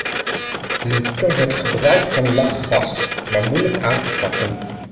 Zeker het gebruik van lachgas blijkt maar moeilijk aan te pakken.